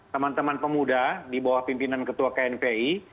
teman teman pemuda di bawah pimpinan ketua knpi